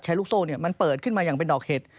ลูกโซ่มันเปิดขึ้นมาอย่างเป็นดอกเห็ด